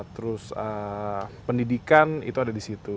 terus pendidikan itu ada di situ